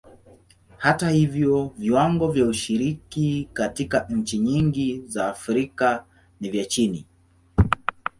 Hata hivyo, viwango vya ushiriki katika nchi nyingi za Afrika ni vya chini.